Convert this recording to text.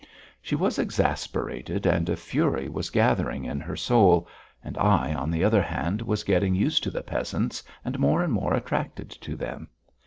She was exasperated and a fury was gathering in her soul, and I, on the other hand, was getting used to the peasants and more and more attracted to them.